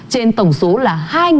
trên tổng số là